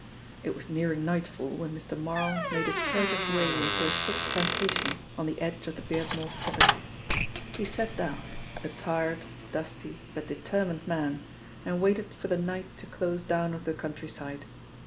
It was nearing nightfall when Mr. Marl made his furtive way into a thick plantation on the edge of the Beardmore property. He sat down, a tired, dusty but determined man, and waited for the night to close down over the countryside.